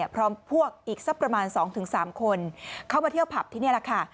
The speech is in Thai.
พร้อมพวกอีกสักประมาณ๒๓คนเข้ามาเที่ยวผับที่นี่แหละค่ะ